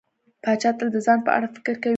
پاچا تل د ځان په اړه فکر کوي.